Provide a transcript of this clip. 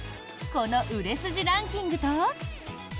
この売れ筋ランキングと。